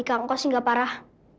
kang kos hingga parah